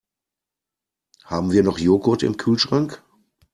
Haben wir noch Joghurt im Kühlschrank?